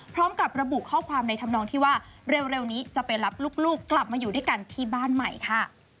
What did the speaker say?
พร้อมกับระบุข้อความในธรรมนองที่ว่าเร็วนี้จะไปรับลูกกลับมาอยู่ด้วยกันที่บ้านใหม่ค่ะ